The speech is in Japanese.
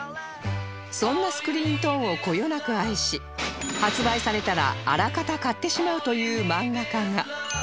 そんなスクリーントーンをこよなく愛し発売されたらあらかた買ってしまうという漫画家が